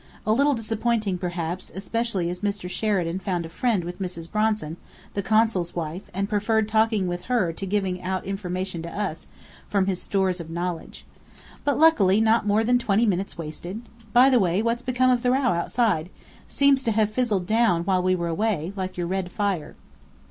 A little disappointing, perhaps, especially as Mr. Sheridan found a friend with Mrs. Bronson, the Consul's wife, and preferred talking with her to giving out information to us, from his stores of knowledge. But luckily not more than twenty minutes wasted. By the way, what's become of the row outside? Seems to have fizzled down while we were away, like your red fire."